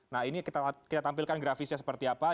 nah ini kita tampilkan grafisnya seperti apa